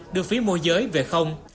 đưa phí mua giới về không